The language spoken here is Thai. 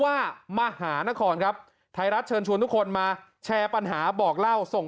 มหานครครับไทยรัฐเชิญชวนทุกคนมาแชร์ปัญหาบอกเล่าส่ง